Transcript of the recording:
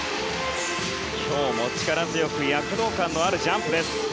今日も力強く躍動感のあるジャンプです。